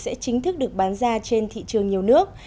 sẽ chính thức được bán ra trên thị trường nhiều nước